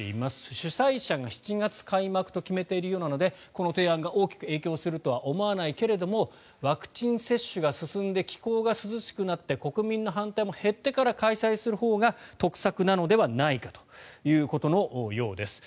主催者が７月開幕と決めているようなのでこの提案が大きく影響するとは思わないけれどもワクチン接種が進んで気候が涼しくなって国民の反対も減ってから開催するほうが得策なのではないかということのようです。